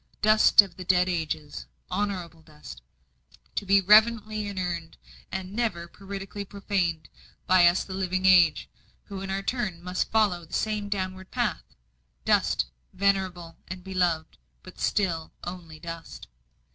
Dust of the dead ages, honourable dust, to be reverently inurned, and never parricidally profaned by us the living age, who in our turn must follow the same downward path. Dust, venerable and beloved but still only dust.